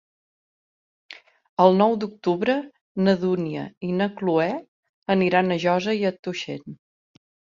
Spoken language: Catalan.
El nou d'octubre na Dúnia i na Cloè aniran a Josa i Tuixén.